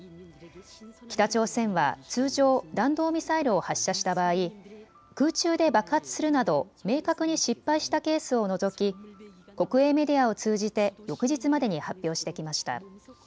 北朝鮮は通常、弾道ミサイルを発射した場合、空中で爆発するなど明確に失敗したケースを除き国営メディアを通じて翌日までに発表してきました。